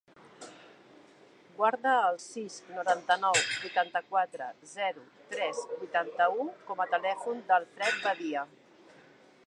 Guarda el sis, noranta-nou, vuitanta-quatre, zero, tres, vuitanta-u com a telèfon de l'Acfred Badia.